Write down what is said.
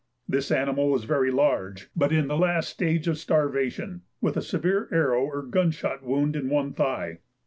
This animal was very large, but in the last stage of starvation, with a severe arrow or gun shot wound in one thigh.